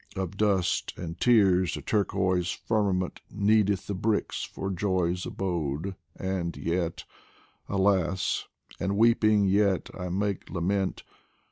Of dust and tears the turquoise firmament Kneadeth the bricks for joy's abode ; and yet .. Alas, and weeping yet I make lament